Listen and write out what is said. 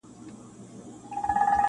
بُت خانه به مي د زړه لکه حرم کا-